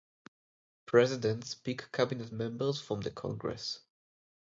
Presidents pick cabinet members from the Congress.